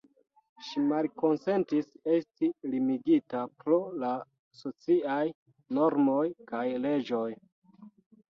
Ŝi malkonsentis esti limigita pro la sociaj normoj kaj leĝoj.